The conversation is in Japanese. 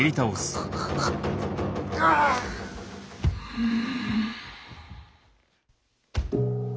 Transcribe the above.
うん。